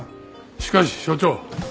しかし署長。